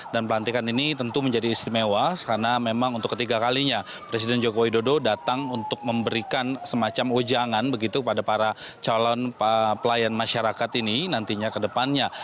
dan pelantikan ini tentu menjadi istimewa karena memang untuk ketiga kalinya presiden joko widodo datang untuk memberikan semacam ujangan begitu pada para calon pelayan masyarakat ini nantinya ke depannya